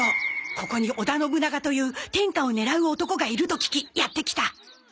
ここに織田信長という天下を狙う男がいると聞きやって来た